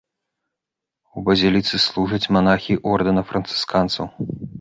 У базіліцы служаць манахі ордэна францысканцаў.